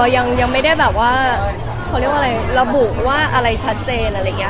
อ๋ออย่างคนค่อยคุยกันเหมือนเดิม